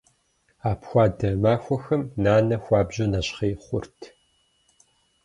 Апхуэдэ махуэхэм нанэ хуабжьу нэщхъей хъурт.